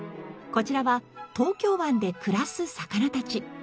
こちらは東京湾で暮らす魚たち。